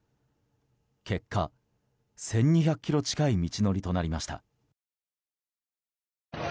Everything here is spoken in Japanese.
結果、１２００ｋｍ近い道のりとなりました。